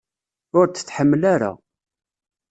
Ur t-tḥemmel ara.